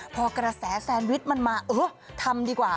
พอกระแสแซนวิชมันมาเออทำดีกว่า